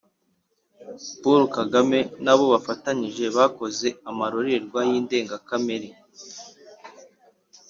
Paul Kagame n'abo bafatanije bakoze amarorerwa y'indengakamere